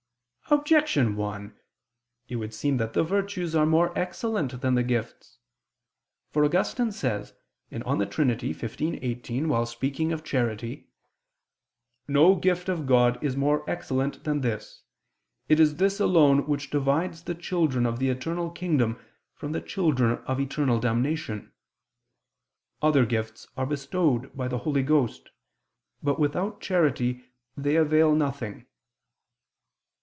Objection 1: It would seem that the virtues are more excellent than the gifts. For Augustine says (De Trin. xv, 18) while speaking of charity: "No gift of God is more excellent than this. It is this alone which divides the children of the eternal kingdom from the children of eternal damnation. Other gifts are bestowed by the Holy Ghost, but, without charity, they avail nothing."